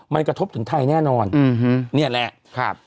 มันกระทบถึงไทยแน่นอนนี่แหละครับ